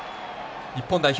日本代表